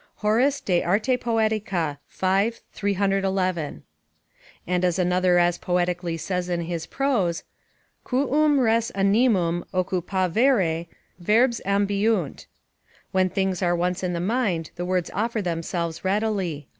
Horace, De Arte Poetica. v. 311] And as another as poetically says in his prose: "Quum res animum occupavere, verbs ambiunt," ["When things are once in the mind, the words offer themselves readily."